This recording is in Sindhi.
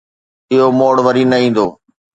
اهو موڙ وري نه ايندو